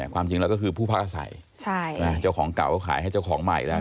ความจริงแล้วก็คือผู้พักอาศัยเจ้าของเก่าก็ขายให้เจ้าของใหม่แล้ว